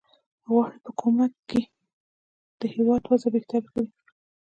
غواړي په کومک یې د هیواد وضع بهتره کړي.